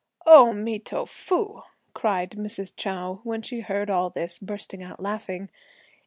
"O mi to fu!" cried Mrs. Chou, when she heard all this, bursting out laughing.